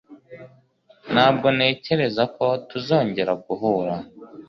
Ntabwo ntekereza ko tuzongera guhura.